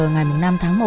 ngày năm tháng một